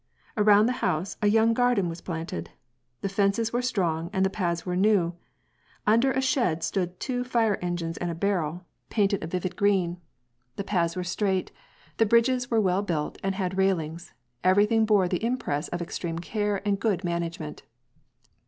Around the house, a young garden was phmted. The fences were strong and the paths were new ; under a shed stood two fire engines and a barrel, painted a r 108 WA H AND PEA CE. vivid green. The paths were straight, the bridges were well built and had railings. Everything bore the impress of ex treme care and good management.